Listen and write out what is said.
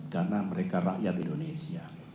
karena mereka rakyat indonesia